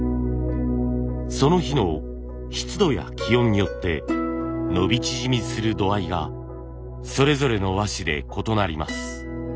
その日の湿度や気温によって伸び縮みする度合いがそれぞれの和紙で異なります。